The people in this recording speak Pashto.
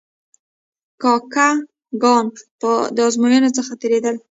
کاکه ګان د آزموینو څخه تیرېدل.